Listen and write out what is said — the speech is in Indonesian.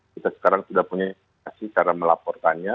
kita sekarang sudah punya kasih cara melaporkannya